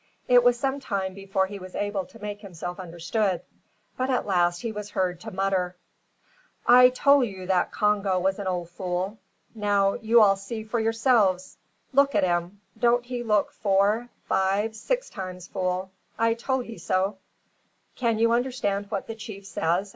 It was some time before he was able to make himself understood; but at last he was heard to mutter: "I tole you that Congo was a ole fool. Now you all see for yourselfs. Look at 'im! Don't he look four, five, six times fool. I tole ye so." "Can you understand what the chief says?"